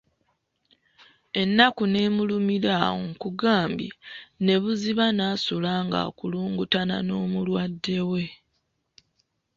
Ennaku ne mulumira awo nkugambye ne buziba n’asula nga akulungutana n’omulwadde we.